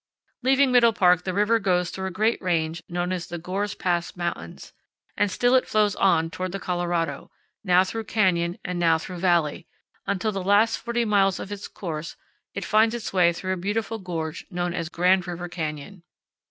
Leaving Middle Park the river goes through a great range known as the Gore's Pass Mountains; and still it flows on toward the Colorado, now through canyon and now through valley, until the last forty miles of its course it finds its way through a beautiful gorge known as Grand River Canyon.